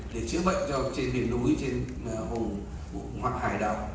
để chữa bệnh cho trên biển núi trên hồn hoặc hải đảo